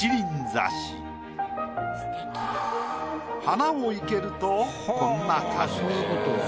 花を生けるとこんな感じ。